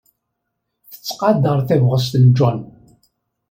Tettqadar tabɣest n John.